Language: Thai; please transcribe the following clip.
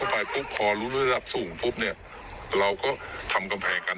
เราไม่เมื่อหนึ่งแรกจากฐานถือเยาะการประกัน